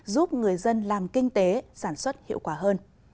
giúp người dân làm kinh tế sản xuất hiệu quả hơn